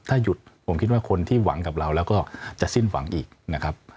ถ้าหยุดผมคิดว่าคนที่หวังกับเราแล้วก็จะสิ้นหวังอีกนะครับ